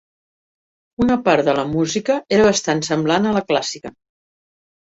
Una part de la música era bastant semblant a la clàssica.